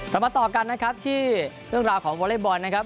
เรามาต่อกันนะครับที่เรื่องราวของวอเล็กบอลนะครับ